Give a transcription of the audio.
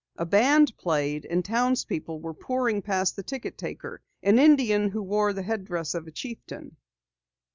A band played, and townspeople were pouring past the ticket taker, an Indian who wore the headdress of a chieftain.